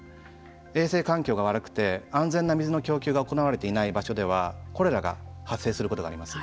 衛生環境が悪くて安全な水の供給が行われていない場所ではコレラが発生することがあります。